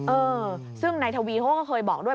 เออซึ่งในทวีโฮก็เคยบอกด้วย